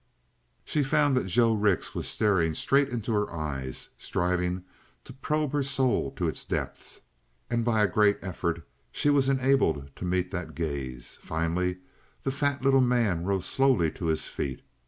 She found that Joe Rix was staring straight into her eyes, striving to probe her soul to its depths, and by a great effort she was enabled to meet that gaze. Finally the fat little man rose slowly to his feet.